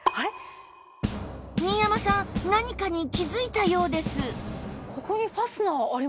新山さん何かに気づいたようです